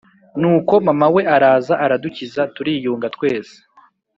Nuko mamawe araza aradukiza turiyunga twese